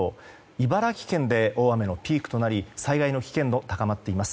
茨城県で大雨のピークとなり災害の危険度が高まっています。